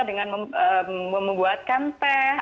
dengan membuatkan teh